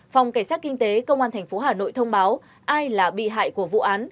phòng cảnh sát kinh tế công an tp hà nội thông báo ai là bị hại của vụ án